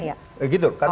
ya gitu karena